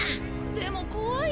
でも怖いよ。